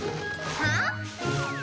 はあ？